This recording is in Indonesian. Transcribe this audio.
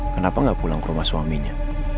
kenapa nggak pulang ke rumah suaminya